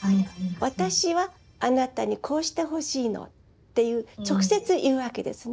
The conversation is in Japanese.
「私はあなたにこうしてほしいの」っていう直接言うわけですね。